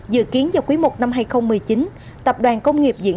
dự kiến vào quý một năm hai nghìn một mươi chín